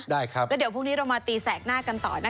ได้ครับคุณชวิตแต่วันนี้หมดเวลาเราลากันอย่างนี้เลยนะ